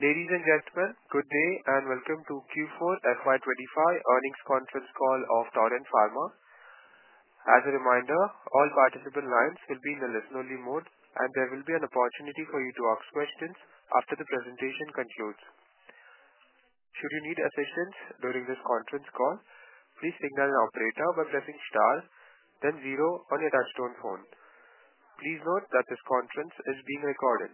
Ladies and gentlemen, good day and welcome to Q4 FY2025 Earnings Conference Call of Torrent Pharma. As a reminder, all participant lines will be in the listen-only mode, and there will be an opportunity for you to ask questions after the presentation concludes. Should you need assistance during this conference call, please signal an operator by pressing star, then zero on your touchtone phone. Please note that this conference is being recorded.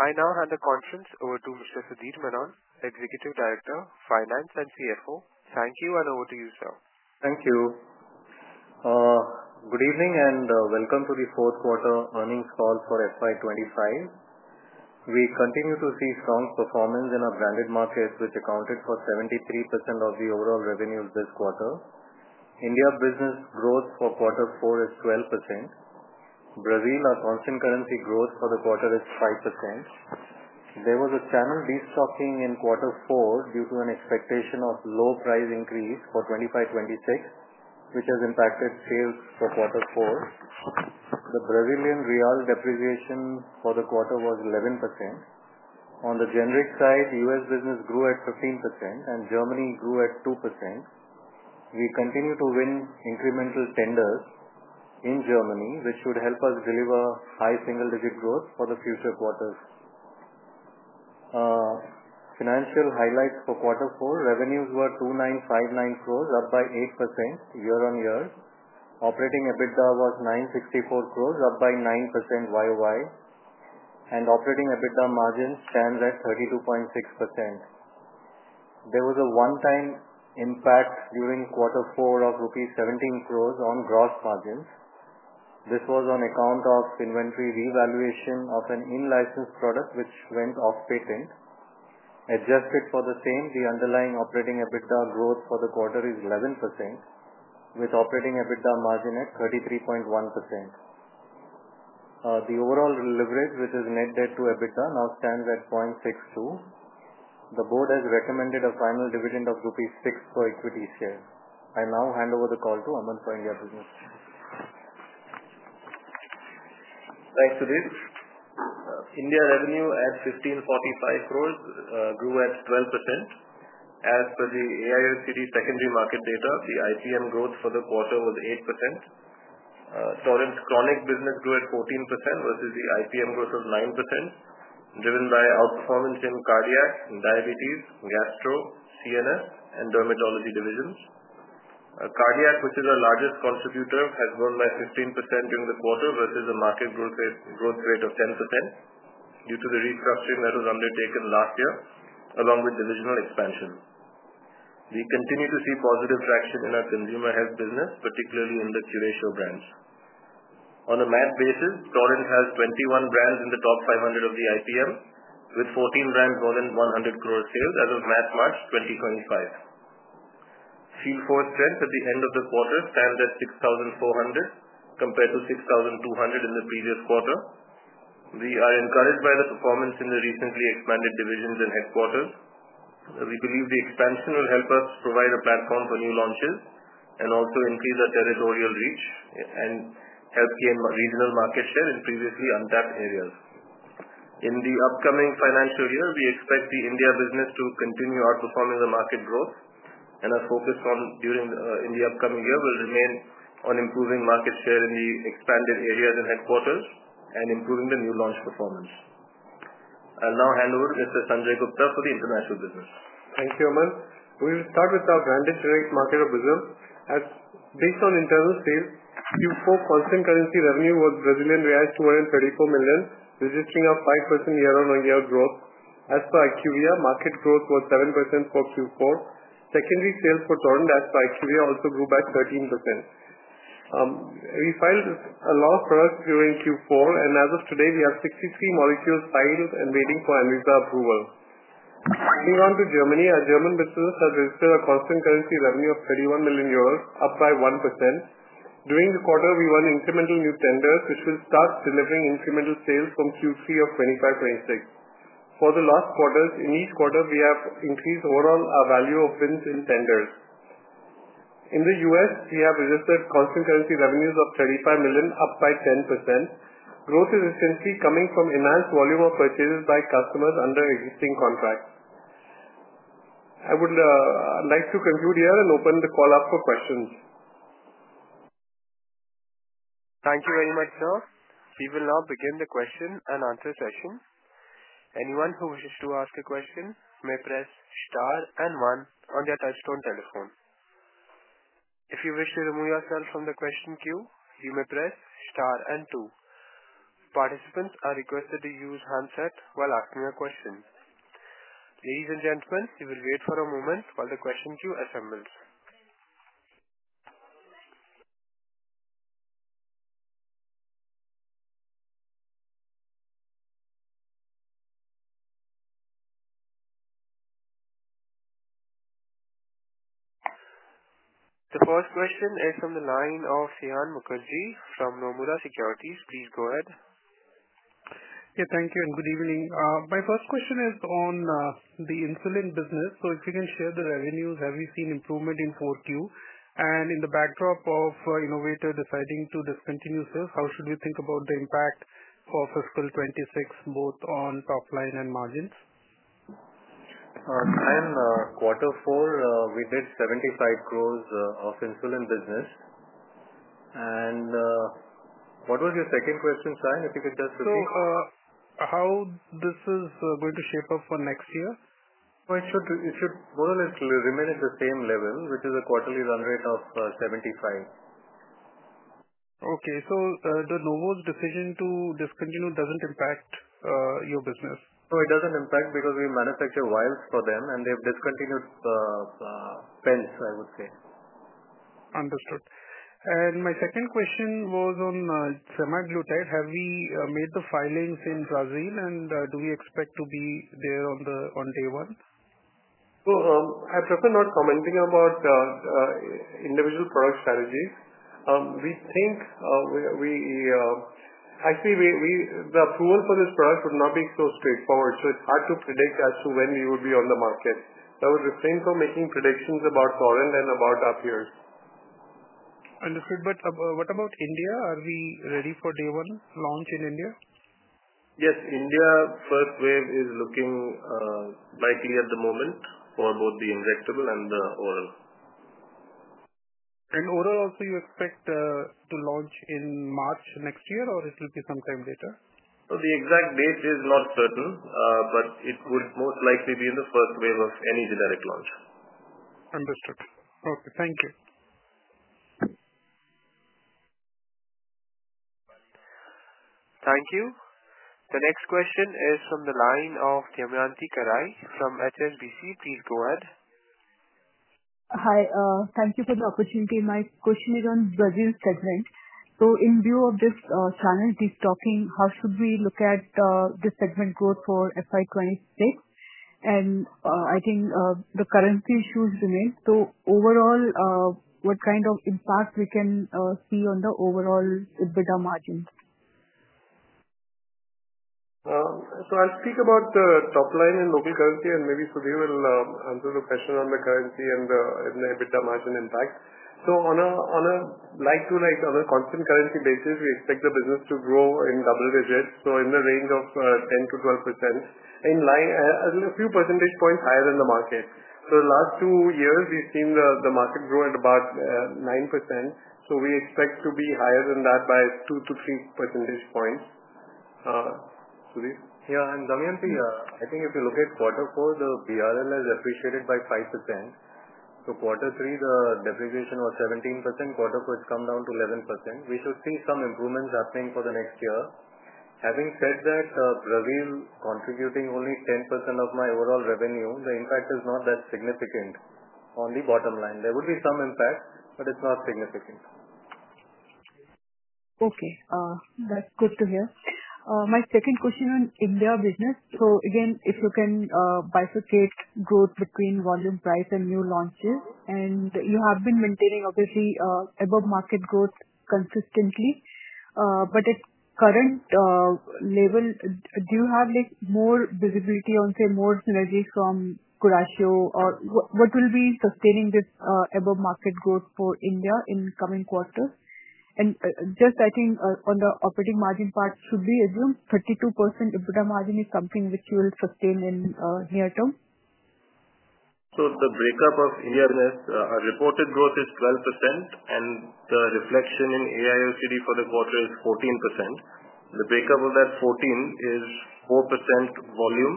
I now hand the conference over to Mr. Sudhir Menon, Executive Director, Finance and CFO. Thank you, and over to you, sir. Thank you. Good evening and welcome to the fourth quarter earnings call for FY 2025. We continue to see strong performance in our branded markets, which accounted for 73% of the overall revenues this quarter. India business growth for quarter four is 12%. Brazil, our constant currency growth for the quarter, is 5%. There was a channel de-stocking in quarter four due to an expectation of low price increase for 2025-2026, which has impacted sales for quarter four. The Brazilian real depreciation for the quarter was 11%. On the generic side, U.S. business grew at 15%, and Germany grew at 2%. We continue to win incremental tenders in Germany, which should help us deliver high single-digit growth for the future quarters. Financial highlights for quarter four: revenues were 2,959 crore, up by 8% year-on-year. Operating EBITDA was 964 crore, up by 9% year-on-year, and operating EBITDA margins stand at 32.6%. There was a one-time impact during quarter four of rupees 17 crore on gross margins. This was on account of inventory revaluation of an in-license product, which went off-patent. Adjusted for the same, the underlying operating EBITDA growth for the quarter is 11%, with operating EBITDA margin at 33.1%. The overall leverage, which is net debt to EBITDA, now stands at 0.62. The board has recommended a final dividend of rupee 6 per equity share. I now hand over the call to Aman for India business. Thanks, Sudhir. India revenue at 1,545 crore grew at 12%. As per the AIOCD secondary market data, the IPM growth for the quarter was 8%. Torrent's chronic business grew at 14% versus the IPM growth of 9%, driven by outperformance in cardiac, diabetes, gastro, CNS, and dermatology divisions. Cardiac, which is our largest contributor, has grown by 15% during the quarter versus a market growth rate of 10% due to the restructuring that was undertaken last year, along with divisional expansion. We continue to see positive traction in our consumer health business, particularly in the Curatio brands. On a MAT basis, Torrent has 21 brands in the top 500 of the IPM, with 14 brands more than 100 crore sales as of last March 2025. Field force strength at the end of the quarter stands at 6,400, compared to 6,200 in the previous quarter. We are encouraged by the performance in the recently expanded divisions and headquarters. We believe the expansion will help us provide a platform for new launches and also increase our territorial reach and help gain regional market share in previously untapped areas. In the upcoming financial year, we expect the India business to continue outperforming the market growth, and our focus during the upcoming year will remain on improving market share in the expanded areas and headquarters and improving the new launch performance. I'll now hand over to Mr. Sanjay Gupta for the international business. Thank you, Aman. We will start with our branded direct market of Brazil. Based on internal sales, Q4 constant currency revenue was Brazilian reais 234 million, registering a 5% year-on-year growth. As per IQVIA, market growth was 7% for Q4. Secondary sales for Torrent, as per IQVIA, also grew by 13%. We filed a lot of products during Q4, and as of today, we have 63 molecules filed and waiting for ANVISA approval. Moving on to Germany, our German business has registered a constant currency revenue of 31 million euros, up by 1%. During the quarter, we won incremental new tenders, which will start delivering incremental sales from Q3 of 2025-2026. For the last quarter, in each quarter, we have increased overall value of bids in tenders. In the U.S., we have registered constant currency revenues of $35 million, up by 10%. Growth is essentially coming from enhanced volume of purchases by customers under existing contracts. I would like to conclude here and open the call up for questions. Thank you very much, sir. We will now begin the Q&A session. Anyone who wishes to ask a question may press star and one on their touchtone telephone. If you wish to remove yourself from the question queue, you may press star and two. Participants are requested to use handset while asking a question. Ladies and gentlemen, you will wait for a moment while the question queue assembles. The first question is from the line of Saion Mukherjee from Nomura Securities. Please go ahead. Yeah, thank you and good evening. My first question is on the insulin business. If you can share the revenues, have you seen improvement in Q4? In the backdrop of Innovate deciding to discontinue sales, how should we think about the impact for fiscal 2026, both on top line and margins? Saion, quarter four, we did 75 crore of insulin business. What was your second question, Saion? If you could just repeat. How is this going to shape up for next year? It should more or less remain at the same level, which is a quarterly run rate of 75 crore. Okay. So the Novo's decision to discontinue doesn't impact your business? No, it doesn't impact because we manufacture vials for them, and they've discontinued the pens, I would say. Understood. My second question was on Semaglutide. Have we made the filings in Brazil, and do we expect to be there on day one? I prefer not commenting about individual product strategies. We think we actually, the approval for this product would not be so straightforward, so it's hard to predict as to when we would be on the market. I would refrain from making predictions about Torrent and about our peers. Understood. What about India? Are we ready for day one launch in India? Yes. India first wave is looking likely at the moment for both the injectable and the oral. Oral also, you expect to launch in March next year, or it will be some time later? The exact date is not certain, but it would most likely be in the first wave of any generic launch. Understood. Okay. Thank you. Thank you. The next question is from the line of Damayanti Kerai from HSBC. Please go ahead. Hi. Thank you for the opportunity. My question is on Brazil segment. In view of this channel de-stocking, how should we look at the segment growth for FY 2026? I think the currency issues remain. Overall, what kind of impact can we see on the overall EBITDA margin? I'll speak about the top line and local currency, and maybe Sudhir will answer the question on the currency and the EBITDA margin impact. On a like-to-like, on a constant currency basis, we expect the business to grow in double digits, so in the range of 10-12%, a few percentage points higher than the market. The last two years, we've seen the market grow at about 9%. We expect to be higher than that by 2-3 percentage points. Sudhir? Yeah. Damayanti, I think if you look at quarter four, the BRL has depreciated by 5%. Quarter three, the depreciation was 17%. Quarter four has come down to 11%. We should see some improvements happening for the next year. Having said that, Brazil contributing only 10% of my overall revenue, the impact is not that significant on the bottom line. There would be some impact, but it's not significant. Okay. That's good to hear. My second question on India business. If you can bifurcate growth between volume, price, and new launches. You have been maintaining, obviously, above-market growth consistently. At current level, do you have more visibility on, say, more synergies from Curatio? What will be sustaining this above-market growth for India in coming quarters? Just adding on the operating margin part, should we assume 32% EBITDA margin is something which you will sustain in near term? The breakup of India business. Our reported growth is 12%, and the reflection in AIOCD for the quarter is 14%. The breakup of that 14% is 4% volume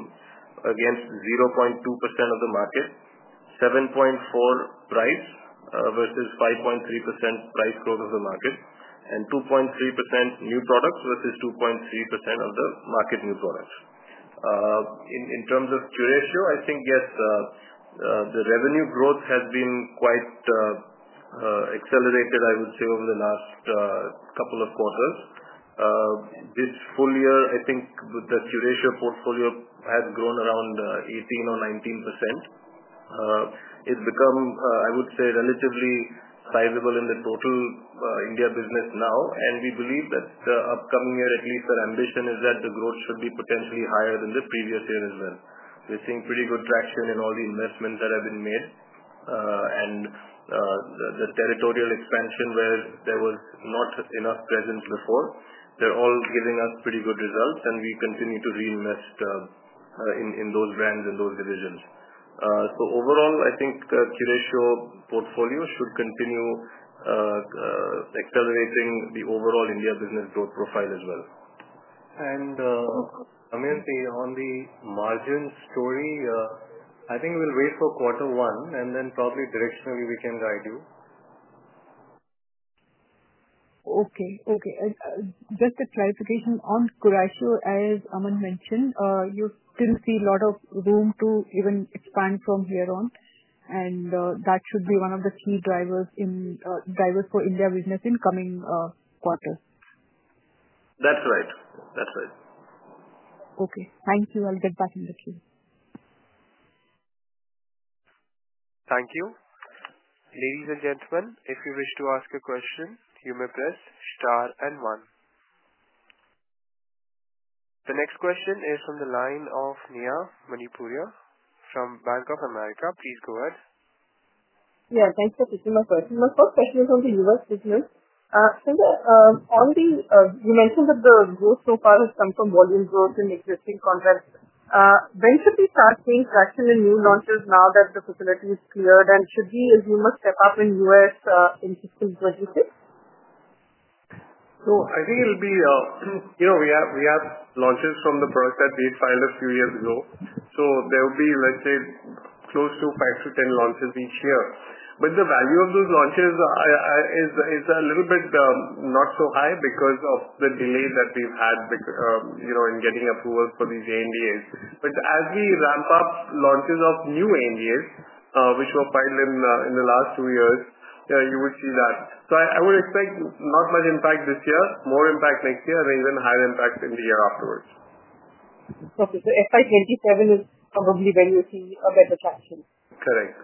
against 0.2% of the market, 7.4% price versus 5.3% price growth of the market, and 2.3% new products versus 2.3% of the market new products. In terms of Curatio, I think, yes, the revenue growth has been quite accelerated, I would say, over the last couple of quarters. This full year, I think the Curatio portfolio has grown around 18% or 19%. It's become, I would say, relatively sizable in the total India business now. We believe that the upcoming year, at least our ambition is that the growth should be potentially higher than the previous year as well. We're seeing pretty good traction in all the investments that have been made. The territorial expansion where there was not enough presence before, they are all giving us pretty good results, and we continue to reinvest in those brands and those divisions. Overall, I think the Curatio portfolio should continue accelerating the overall India business growth profile as well. Damayanti, on the margin story, I think we'll wait for quarter one, and then probably directionally we can guide you. Okay. Okay. Just a clarification on Curatio, as Aman mentioned, you still see a lot of room to even expand from here on, and that should be one of the key drivers for India business in coming quarter. That's right. That's right. Okay. Thank you. I'll get back in the queue. Thank you. Ladies and gentlemen, if you wish to ask a question, you may press star and one. The next question is from the line of Neha Manpuria from Bank of America. Please go ahead. Yes. Thanks for taking my question. My first question is on the U.S. business. You mentioned that the growth so far has come from volume growth in existing contracts. When should we start seeing traction in new launches now that the facility is cleared, and should we assume a step-up in U.S. in fiscal 2026? I think it'll be we have launches from the products that we filed a few years ago. There will be, let's say, close to 5-10 launches each year. The value of those launches is a little bit not so high because of the delay that we've had in getting approval for these ANDAs. As we ramp up launches of new ANDAs, which were filed in the last two years, you would see that. I would expect not much impact this year, more impact next year, and even higher impact in the year afterwards. Okay. So FY 2027 is probably when you see a better traction? Correct.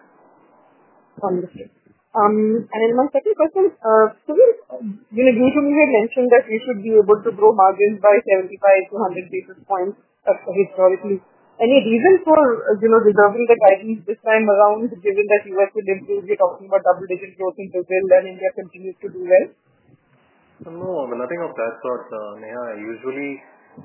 Understood. My second question, you had mentioned that you should be able to grow margins by 75-100 basis points historically. Any reason for reserving the guidance this time around, given that U.S. will improve? You're talking about double-digit growth in Brazil, and India continues to do well. No, nothing of that sort, Neha. Usually,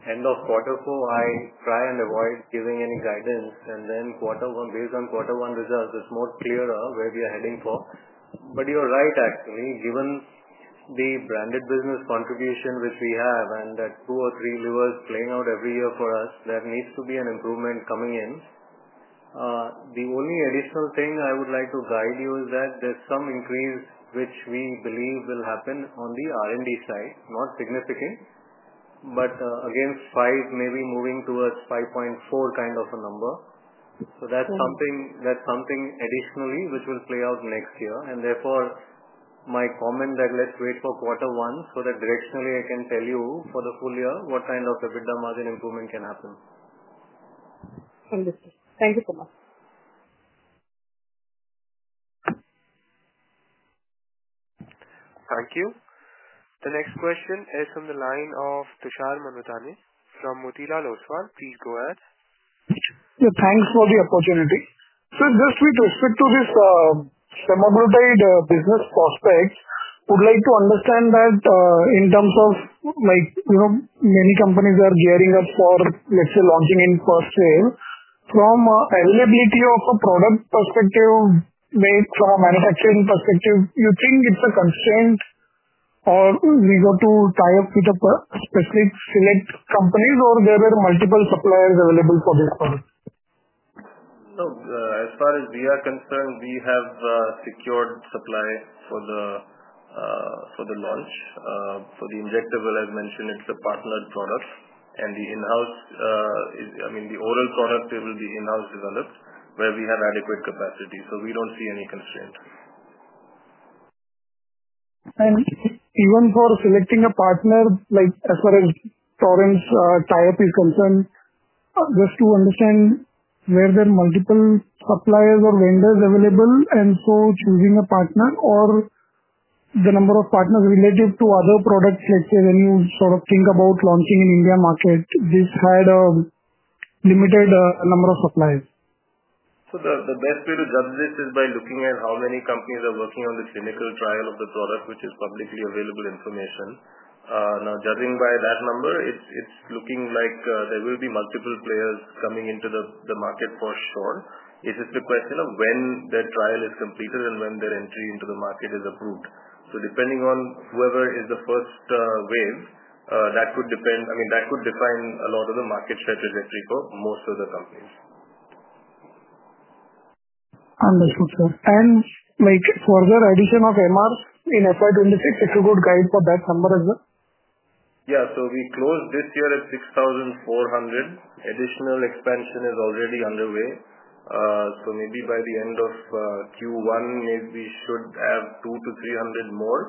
end of quarter four, I try and avoid giving any guidance. And then based on quarter one results, it's more clearer where we are heading for. You're right, actually. Given the branded business contribution which we have and that two or three levers playing out every year for us, there needs to be an improvement coming in. The only additional thing I would like to guide you is that there's some increase which we believe will happen on the R&D side, not significant, but against 5, maybe moving towards 5.4 kind of a number. That's something additionally which will play out next year. Therefore, my comment that let's wait for quarter one so that directionally I can tell you for the full year what kind of EBITDA margin improvement can happen. Understood. Thank you so much. Thank you. The next question is from the line of Tushar Manudhane from Motilal Oswal. Please go ahead. Yeah. Thanks for the opportunity. Just with respect to this Semaglutide business prospect, would like to understand that in terms of many companies are gearing up for, let's say, launching in first sale. From availability of a product perspective, from a manufacturing perspective, you think it's a constraint, or we got to tie up with specific select companies, or there are multiple suppliers available for this product? No. As far as we are concerned, we have secured supply for the launch. For the injectable, as mentioned, it's a partnered product. The in-house, I mean, the oral product, it will be in-house developed where we have adequate capacity. We don't see any constraint. Even for selecting a partner, as far as Torrent's tie-up is concerned, just to understand, where there are multiple suppliers or vendors available, and so choosing a partner, or the number of partners relative to other products, let's say, when you sort of think about launching in India market, this had a limited number of suppliers. The best way to judge this is by looking at how many companies are working on the clinical trial of the product, which is publicly available information. Now, judging by that number, it's looking like there will be multiple players coming into the market for sure. It's just a question of when their trial is completed and when their entry into the market is approved. Depending on whoever is the first wave, that could depend, I mean, that could define a lot of the market share trajectory for most of the companies. Understood, sir. For the addition of MRs in FY 2026, it's a good guide for that number as well? Yeah. We closed this year at 6,400. Additional expansion is already underway. Maybe by the end of Q1, we should have 200-300 more.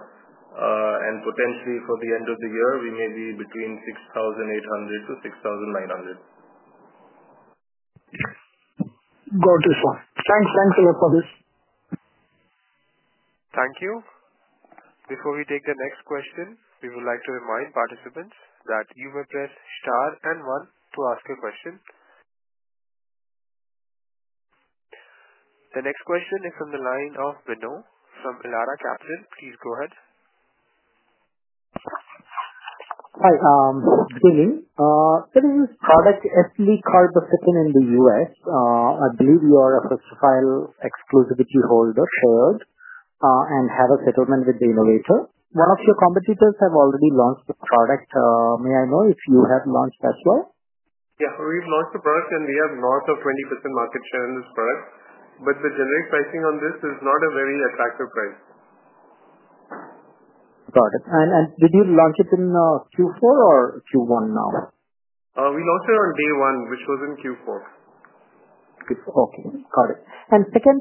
Potentially, for the end of the year, we may be between 6,800-6,900. Got it, sir. Thanks. Thanks a lot for this. Thank you. Before we take the next question, we would like to remind participants that you may press star and one to ask a question. The next question is from the line of Bino from Elara Capital. Please go ahead. Hi. Good evening. There is a product actually called Eslicarbazepine in the U.S. I believe you are a first-to-file exclusivity holder, shared, and have a settlement with the innovator. One of your competitors has already launched the product. May I know if you have launched as well? Yeah. We've launched the product, and we have north of 20% market share in this product. The generic pricing on this is not a very attractive price. Got it. Did you launch it in Q4 or Q1 now? We launched it on day one, which was in Q4. Okay. Got it. Second,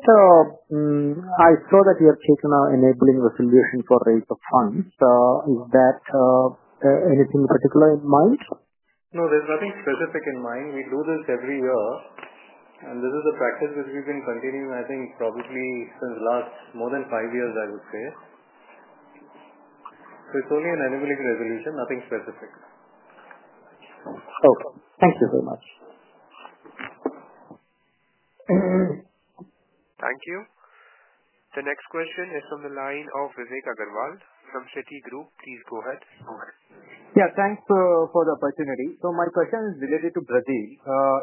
I saw that you have taken out enabling resolution for raise of funds. Is that anything in particular in mind? No. There's nothing specific in mind. We do this every year. This is a practice which we've been continuing, I think, probably since the last more than five years, I would say. It is only an enabling resolution, nothing specific. Okay. Thank you very much. Thank you. The next question is from the line of Vivek Agrawal from Citi Group. Please go ahead. Yeah. Thanks for the opportunity. My question is related to Brazil.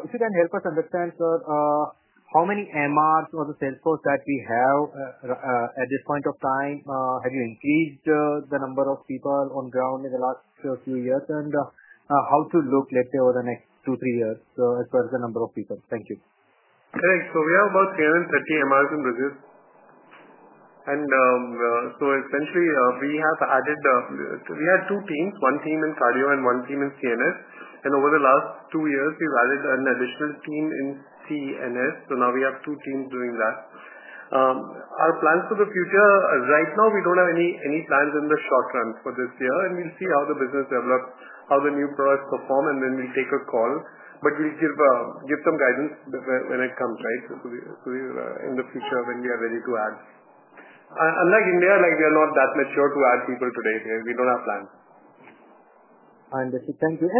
If you can help us understand, sir, how many MRs or the salesforce that we have at this point of time, have you increased the number of people on ground in the last few years, and how to look, let's say, over the next two, three years as far as the number of people? Thank you. Correct. We have about 330 MRs in Brazil. Essentially, we had two teams, one team in Cardio and one team in CNS. Over the last two years, we have added an additional team in CNS. Now we have two teams doing that. Our plans for the future, right now, we do not have any plans in the short run for this year. We will see how the business develops, how the new products perform, and then we will take a call. We will give some guidance when it comes, in the future when we are ready to add. Unlike India, we are not that mature to add people today. We do not have plans. Understood. Thank you.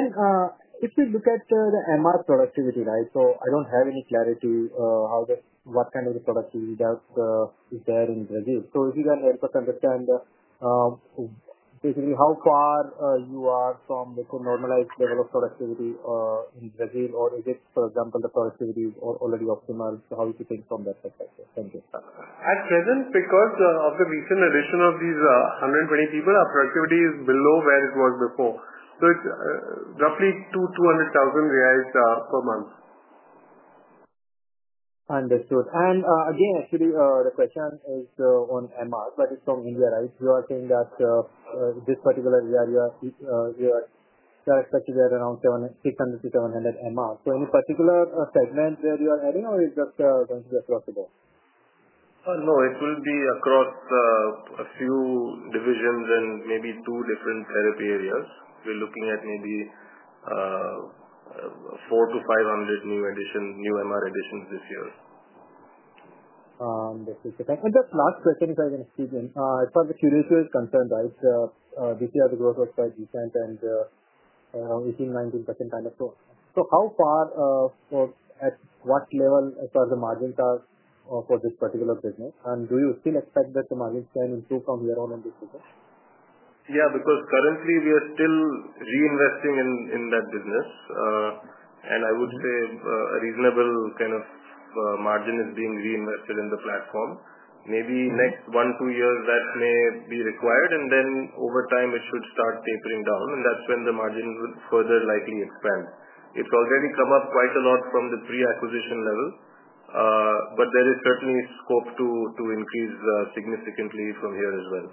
If you look at the MR productivity, right, I do not have any clarity what kind of productivity is there in Brazil. If you can help us understand basically how far you are from, let's say, normalized level of productivity in Brazil, or is it, for example, the productivity is already optimal? How would you think from that perspective? Thank you. At present, because of the recent addition of these 120 people, our productivity is below where it was before. So it's roughly 200,000 reais per month. Understood. Again, actually, the question is on MRs, but it is from India, right? You are saying that this particular area, you are expected to get around 600-700 MRs. Any particular segment where you are adding, or is that going to be across the board? No. It will be across a few divisions and maybe two different therapy areas. We're looking at maybe 400-500 new MR additions this year. Understood. Just last question, if I can excuse you. As far as Curatio is concerned, right, this year, the growth was quite decent and around 18%-19% kind of growth. How far or at what level as far as the margins are for this particular business? Do you still expect that the margins can improve from here on in this business? Yeah. Because currently, we are still reinvesting in that business. I would say a reasonable kind of margin is being reinvested in the platform. Maybe next one to two years, that may be required. Over time, it should start tapering down. That is when the margin would further likely expand. It has already come up quite a lot from the pre-acquisition level. There is certainly scope to increase significantly from here as well.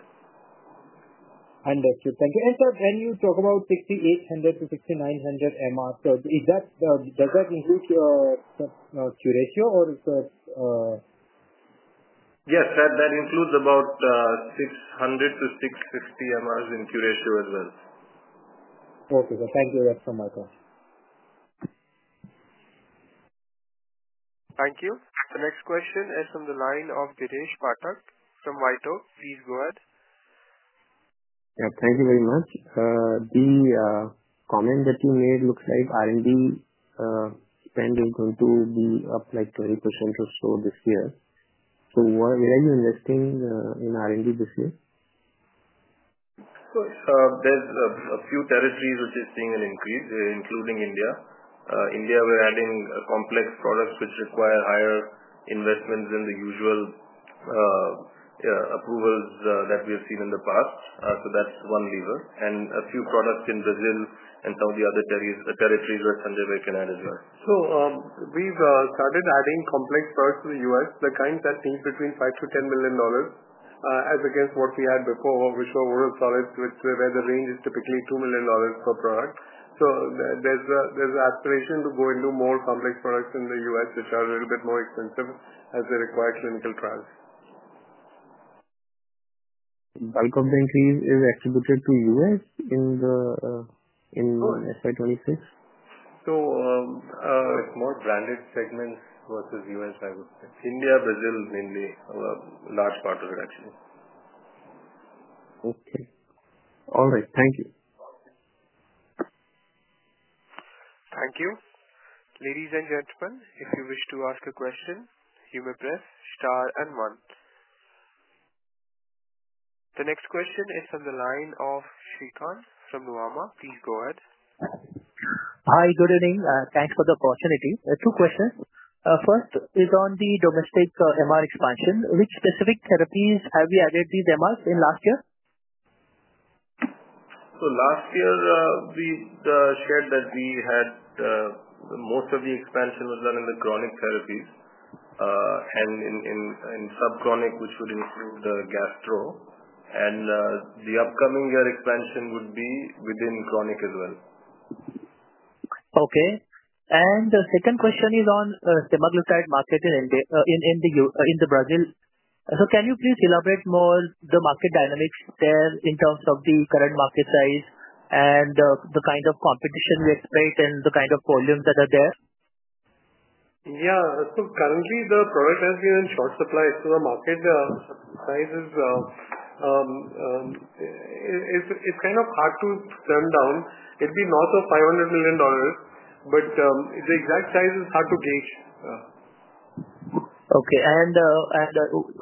Understood. Thank you. Sir, when you talk about 6,800-6,900 MRs, sir, does that include Curatio, or is that? Yes. That includes about 600-650 MRs in Curatio as well. Okay. Thank you very much, sir. Thank you. The next question is from the line of Dheeresh Pathak from WhiteOak. Please go ahead. Yeah. Thank you very much. The comment that you made looks like R&D spend is going to be up like 20% or so this year. Where are you investing in R&D this year? There's a few territories which are seeing an increase, including India. India, we're adding complex products which require higher investments than the usual approvals that we have seen in the past. That's one lever. A few products in Brazil and some of the other territories where Sanjay Gupta adds as well. We've started adding complex products in the U.S., the kinds that think between $5 million-$10 million, as against what we had before, which were oral solids, where the range is typically $2 million per product. There's an aspiration to go into more complex products in the US, which are a little bit more expensive as they require clinical trials. The complex increase is attributed to US in FY 2026? It's more branded segments versus US, I would say. India, Brazil, mainly a large part of it, actually. Okay. All right. Thank you. Thank you. Ladies and gentlemen, if you wish to ask a question, you may press star and one. The next question is from the line of Shrikant from Nuvama. Please go ahead. Hi. Good evening. Thanks for the opportunity. Two questions. First is on the domestic MR expansion. Which specific therapies have you added these MRs in last year? Last year, we shared that most of the expansion was done in the chronic therapies and in sub-chronic, which would include the gastro. The upcoming year expansion would be within chronic as well. Okay. The second question is on Semaglutide market in Brazil. Can you please elaborate more on the market dynamics there in terms of the current market size and the kind of competition we expect and the kind of volumes that are there? Yeah. Currently, the product has been in short supply. The market size is kind of hard to turn down. It would be north of $500 million, but the exact size is hard to gauge. Okay.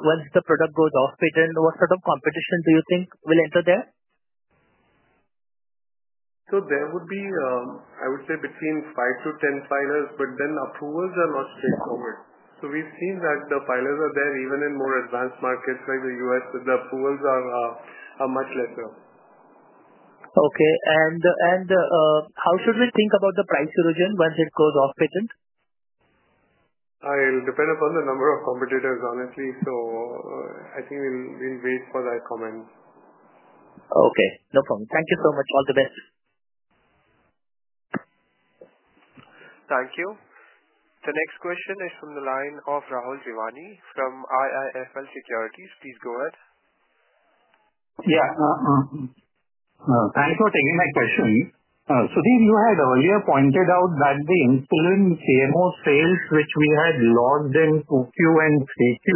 Once the product goes off-patent, what sort of competition do you think will enter there? There would be, I would say, between five to 10 filers, but then approvals are not straightforward. We've seen that the filers are there even in more advanced markets like the U.S., but the approvals are much lesser. Okay. How should we think about the price revision once it goes off-patent? It'll depend upon the number of competitors, honestly. I think we'll wait for that comment. Okay. No problem. Thank you so much. All the best. Thank you. The next question is from the line of Rahul Jeewani from IIFL Securities. Please go ahead. Yeah. Thanks for taking my question. Sudhir, you had earlier pointed out that the insulin CMO sales, which we had lost in Q2 and Q3,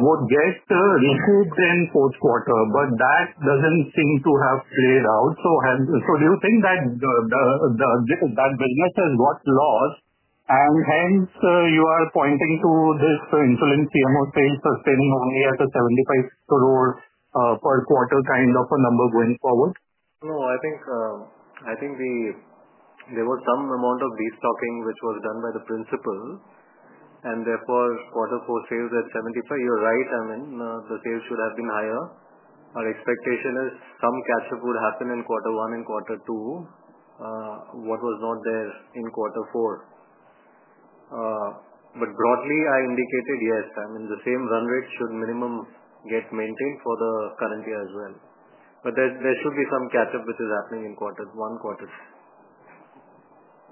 would get recouped in fourth quarter. That does not seem to have played out. Do you think that that business has got lost, and hence you are pointing to this insulin CMO sales sustaining only at a 75 crore per quarter kind of a number going forward? No. I think there was some amount of restocking which was done by the principal. Therefore, quarter four sales at 75 crore. You're right, I mean, the sales should have been higher. Our expectation is some catch-up would happen in quarter one and quarter two, what was not there in quarter four. Broadly, I indicated, yes, I mean, the same run rate should minimum get maintained for the current year as well. There should be some catch-up which is happening in quarter one, quarter two.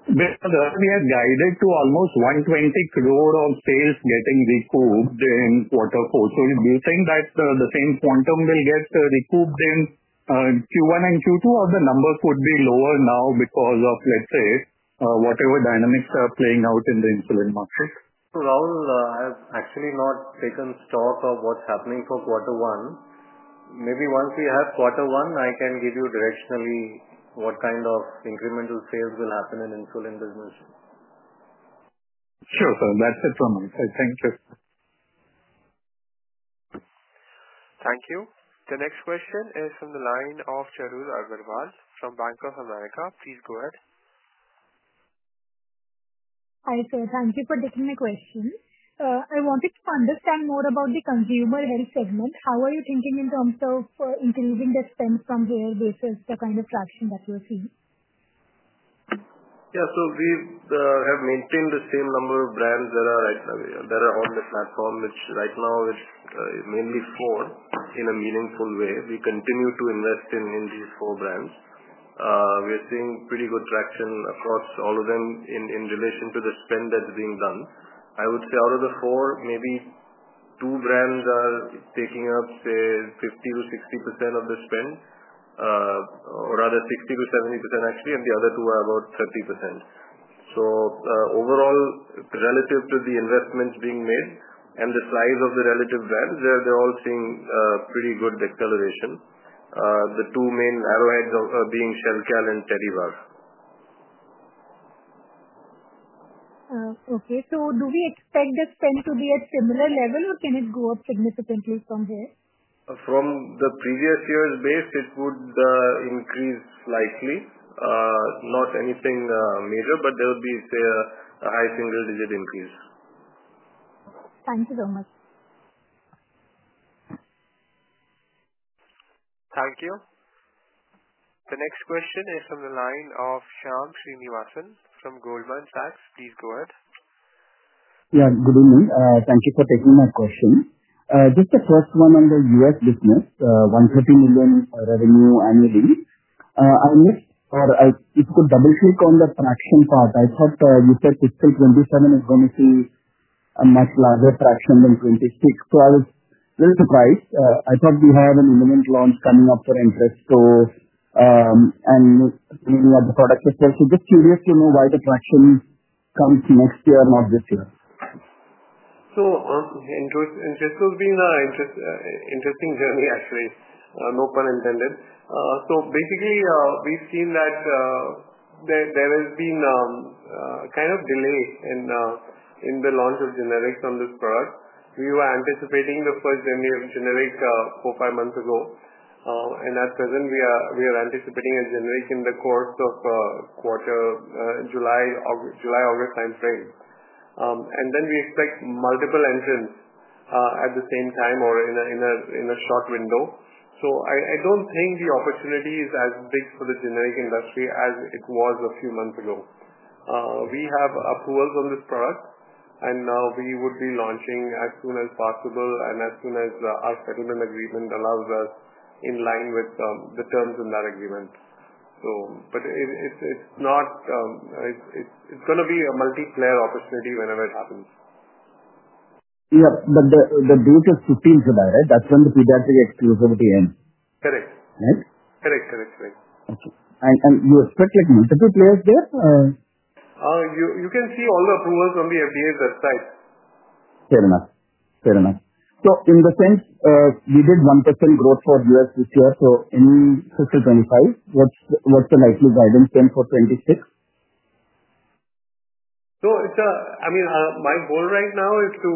The earlier guided to almost 120 crore of sales getting recouped in quarter four. Do you think that the same quantum will get recouped in Q1 and Q2, or the number could be lower now because of, let's say, whatever dynamics are playing out in the insulin market? Rahul, I have actually not taken stock of what's happening for quarter one. Maybe once we have quarter one, I can give you directionally what kind of incremental sales will happen in the insulin business. Sure, sir. That's it from me. Thank you. Thank you. The next question is from the line of Charul Agrawal from Bank of America. Please go ahead. Hi, sir. Thank you for taking my question. I wanted to understand more about the consumer health segment. How are you thinking in terms of increasing the spend from here versus the kind of traction that you are seeing? Yeah. So we have maintained the same number of brands that are on the platform, which right now is mainly four in a meaningful way. We continue to invest in these four brands. We are seeing pretty good traction across all of them in relation to the spend that's being done. I would say out of the four, maybe two brands are taking up, say, 50%-60% of the spend, or rather 60%-70%, actually, and the other two are about 30%. Overall, relative to the investments being made and the size of the relative brands, they're all seeing pretty good acceleration. The two main arrowheads are being Shelcal and Tedibar. Okay. So do we expect the spend to be at similar level, or can it go up significantly from here? From the previous year's base, it would increase slightly. Not anything major, but there would be, say, a high single-digit increase. Thank you so much. Thank you. The next question is from the line of Shyam Srinivasan from Goldman Sachs. Please go ahead. Yeah. Good evening. Thank you for taking my question. Just the first one on the US business, $130 million revenue annually. I missed, or if you could double-click on the traction part, I thought you said fiscal 2027 is going to see a much larger traction than 2026. I was a little surprised. I thought we have an imminent launch coming up for Entresto and many other products as well. Just curious to know why the traction comes next year, not this year. Entresto has been an interesting journey, actually. No pun intended. Basically, we've seen that there has been a kind of delay in the launch of generics on this product. We were anticipating the first generic four-five months ago. At present, we are anticipating a generic in the course of the quarter, July-August timeframe. We expect multiple entrants at the same time or in a short window. I do not think the opportunity is as big for the generic industry as it was a few months ago. We have approvals on this product, and we would be launching as soon as possible and as soon as our settlement agreement allows us in line with the terms in that agreement. It is going to be a multi-player opportunity whenever it happens. Yeah. The date is of 15th July, right? That's when the pediatric exclusivity ends. Correct. Correct. Okay. You expect multiple players there? You can see all the approvals on the FDA's website. Fair enough. Fair enough. In the sense, we did 1% growth for U.S. this year, so in fiscal 2025, what's the likely guidance then for 2026? I mean, my goal right now is to,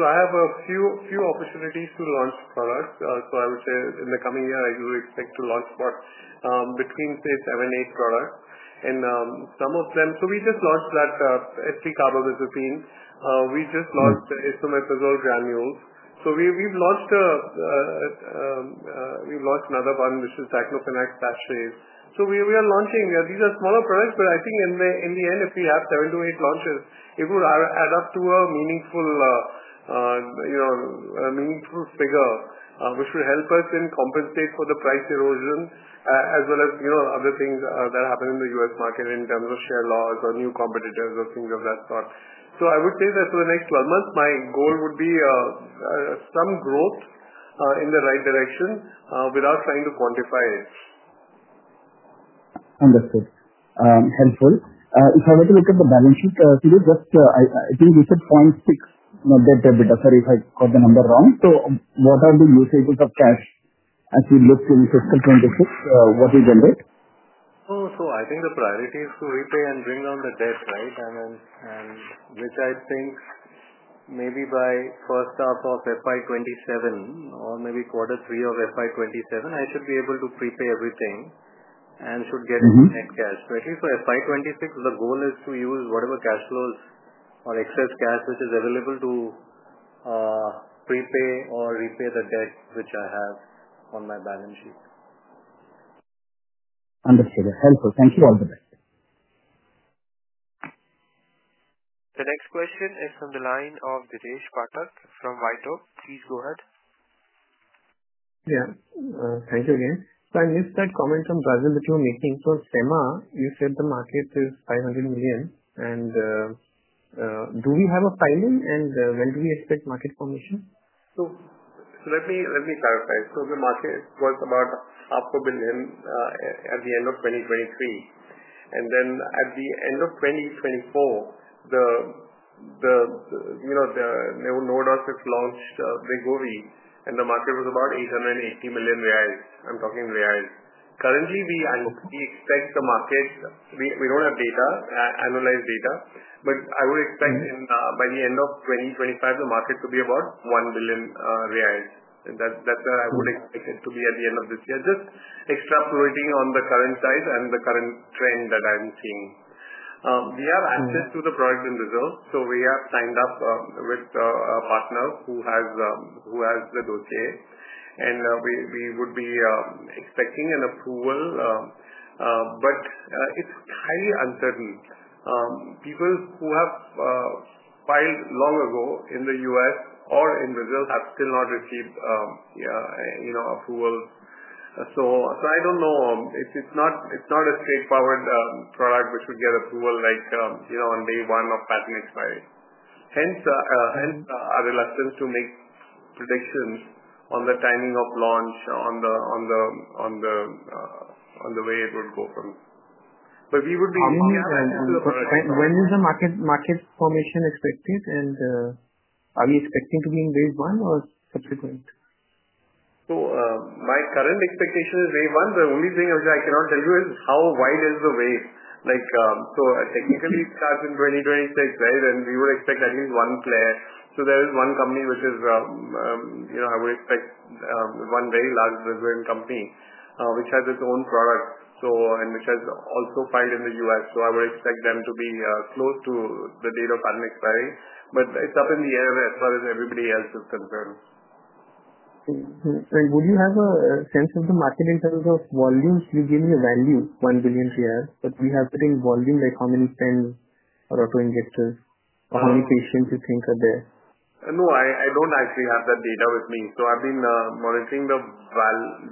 I have a few opportunities to launch products. I would say in the coming year, I do expect to launch between, say, seven, eight products. Some of them, we just launched that Eslicarbazepine. We just launched the Esomeprazole granules. We have launched another one, which is Diclofenac sachets. We are launching, these are smaller products, but I think in the end, if we have seven to eight launches, it would add up to a meaningful figure, which would help us then compensate for the price erosion as well as other things that happen in the U.S. market in terms of share loss or new competitors or things of that sort. I would say that for the next 12 months, my goal would be some growth in the right direction without trying to quantify it. Understood. Helpful. If I were to look at the balance sheet, Sudhir, just I think you said 0.6 net debt EBITDA. Sorry if I got the number wrong. What are the usages of cash as we look in fiscal 2026? What do you generate? I think the priority is to repay and bring down the debt, right? Which I think maybe by the first half of FY 2027 or maybe quarter three of FY 2027, I should be able to prepay everything and should get it in net cash. At least for FY 2026, the goal is to use whatever cash flows or excess cash which is available to prepay or repay the debt which I have on my balance sheet. Understood. Helpful. Thank you. All the best. The next question is from the line of Dheeresh Pathak from WhiteOak. Please go ahead. Yeah. Thank you again. I missed that comment from Brazil that you were making. Sema, you said the market is $500 million. Do we have a filing, and when do we expect market formation? Let me clarify. The market was about 500 million at the end of 2023. At the end of 2024, Novo Nordisk launched Wegovy, and the market was about BRL 880 million. I'm talking BRL. Currently, we expect the market we do not have analyzed data, but I would expect by the end of 2025, the market to be about 1 billion reais. That is where I would expect it to be at the end of this year, just extrapolating on the current size and the current trend that I'm seeing. We have access to the product in Brazil, so we have signed up with a partner who has the dossier, and we would be expecting an approval. It is highly uncertain. People who have filed long ago in the U.S. or in Brazil have still not received approvals. I do not know. It's not a straightforward product which would get approval on day one of patent expiry. Hence, our reluctance to make predictions on the timing of launch, on the way it would go from. We would be looking at this as a product. When is the market formation expected, and are we expecting to be in wave one or subsequent? My current expectation is wave one. The only thing which I cannot tell you is how wide is the wave. Technically, it starts in 2026, right? We would expect at least one player. There is one company which I would expect, one very large Brazilian company which has its own product and which has also filed in the U.S. I would expect them to be close to the date of patent expiry. It is up in the air as far as everybody else is concerned. Would you have a sense of the market in terms of volumes? You gave me a value, 1 billion, but we have to think volume like how many pens or auto injectors or how many patients you think are there. No, I don't actually have that data with me. I have been monitoring the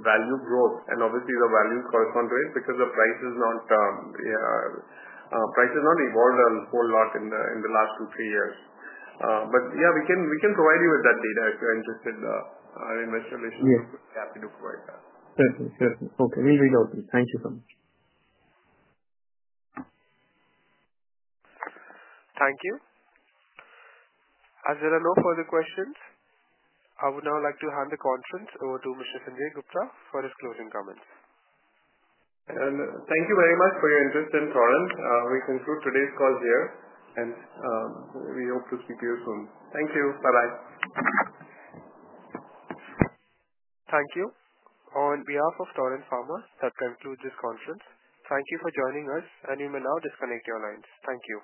value growth, and obviously, the value corresponds to it because the price has not evolved a whole lot in the last two or three years. Yeah, we can provide you with that data if you're interested. Our investigation is happy to provide that. Certainly. Okay. We'll read over it. Thank you so much. Thank you. As there are no further questions, I would now like to hand the conference over to Mr. Sanjay Gupta for his closing comments. Thank you very much for your interest and tolerance. We conclude today's call here, and we hope to speak to you soon. Thank you. Bye-bye. Thank you. On behalf of Torrent Pharma, that concludes this conference. Thank you for joining us, and you may now disconnect your lines. Thank you.